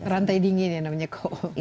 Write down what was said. rantai dingin ya namanya cold chain